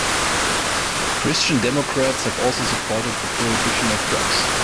Christian Democrats have also supported the prohibition of drugs.